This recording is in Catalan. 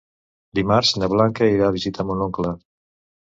Dimarts na Blanca irà a visitar mon oncle.